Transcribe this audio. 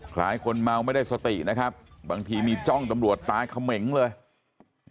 หลายคนเมาไม่ได้สตินะครับบางทีมีจ้องตำรวจตาเขม่งเลย